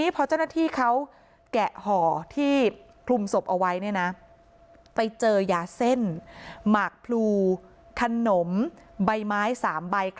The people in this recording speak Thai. ไปเจอยาเส้นหมักพลูขนมใบไม้สามใบ